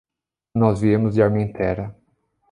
Nós viemos de Armentera.